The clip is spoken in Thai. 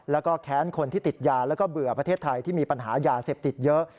แล้วก็แค้นคนที่ติดยาแล้วก็เบื่อประเทศไทยที่มีปัญหายาเสพติดเยอะ